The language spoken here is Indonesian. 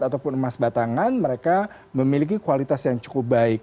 ataupun emas batangan mereka memiliki kualitas yang cukup baik